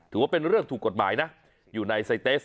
ถือว่าเป็นเรื่องถูกกฎหมายนะอยู่ในไซเตส